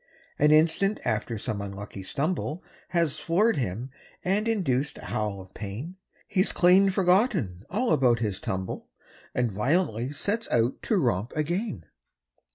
An instant after some unlucky stumble Has floored him and induced a howl of pain, He's clean forgotten all about his tumble And violently sets out to romp again.